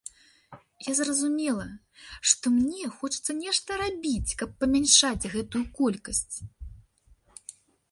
Я зразумела, што мне хочацца нешта рабіць, каб памяншаць гэтую колькасць.